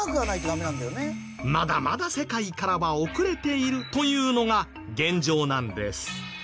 まだまだ世界からは遅れているというのが現状なんです。